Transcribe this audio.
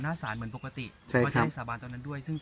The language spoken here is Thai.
หน้าสันเหมือนปกติใช่ครับก็ได้สาบาณตอนนั้นด้วยซึ่ง